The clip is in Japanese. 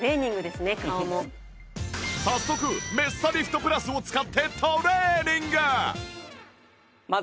やっぱ早速メッサリフトプラスを使ってトレーニング！